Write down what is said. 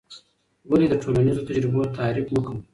ولې د ټولنیزو تجربو تحریف مه کوې؟